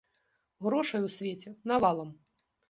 Грошай у свеце навалам!